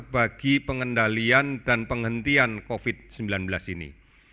bagi pengendalian dan penghentian covid sembilan belas ini